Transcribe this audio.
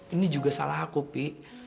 ini juga salah aku pi